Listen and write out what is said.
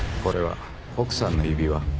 これは奥さんの指輪？